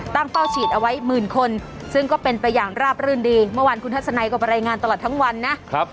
เป้าฉีดเอาไว้หมื่นคนซึ่งก็เป็นไปอย่างราบรื่นดีเมื่อวานคุณทัศนัยก็ไปรายงานตลอดทั้งวันนะครับ